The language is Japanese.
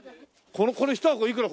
これ１箱いくら？